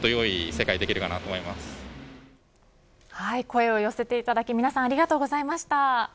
声を寄せてくださった皆さんありがとうございました。